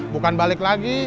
bukan balik lagi